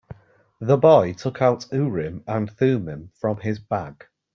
The boy took out Urim and Thummim from his bag.